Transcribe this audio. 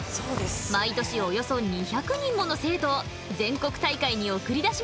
毎年およそ２００人もの生徒を全国大会に送り出します。